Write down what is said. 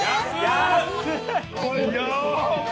安い！